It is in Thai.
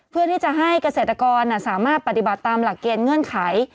เพื่อที่จะให้เกษตรกรสามารถปฏิบัติตามหลักเกณฑ์เงื่อนไข